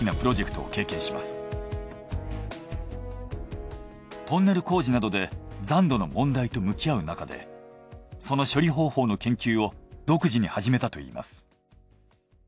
トンネル工事などで残土の問題と向き合うなかでその処理方法の研究を独自に始めたといいます。